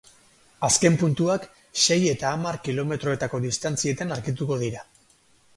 Azken puntuak sei eta hamar kilometroetako distantzietan argituko dira.